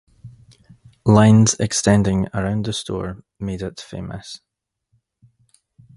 Lines extending around the store made it famous.